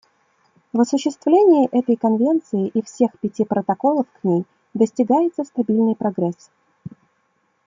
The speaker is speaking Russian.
В осуществлении этой Конвенции и всех пяти протоколов к ней достигается стабильный прогресс.